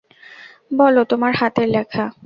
বল, তোমার হাতের লেখা?